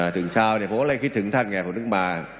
ถึงเช้าผมก็เลยคิดถึงท่านไงผมถึงมา